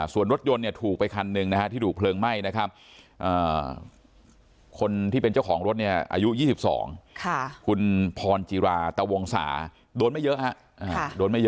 ส่วนรถยนต์ถูกไปคันหนึ่งที่ถูกเพลิงไหม้คนที่เป็นเจ้าของรถอายุ๒๒คุณพรจิราตะวงสาโดนไม่เยอะ